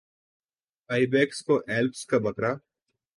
آئی backs کوہ Alps کا بکرا